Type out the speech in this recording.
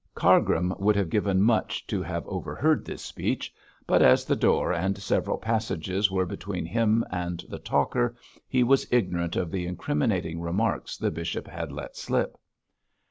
Cargrim would have given much to have overheard this speech, but as the door and several passages were between him and the talker, he was ignorant of the incriminating remarks the bishop had let slip.